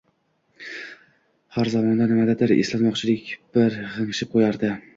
Har har zamonda nimanidir eslatmoqchidek bir g`ingshib qo`yardi